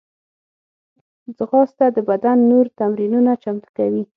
ځغاسته د بدن نور تمرینونه چمتو کوي